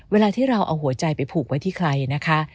เวลาที่เราเอาหัวใจไปผูกไว้ที่ใครนะคะ